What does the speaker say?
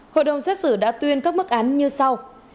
hội đồng xét xử đã tuyên các mức án như sau